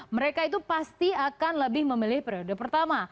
mereka itu pasti akan lebih memilih periode pertama